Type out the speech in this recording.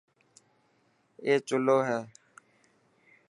اي چلو هي.